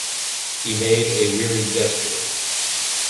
He made a weary gesture.